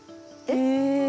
えっ！？